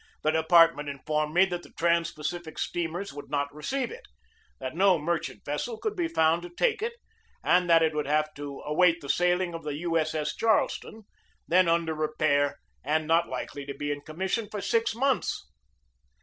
The department informed me that the trans Pacific steamers would not receive it, that no merchant vessel could be found to take it, and that it would have to await the sailing of the U. S. S. Charleston , then under repair and not likely to be in commission for six months.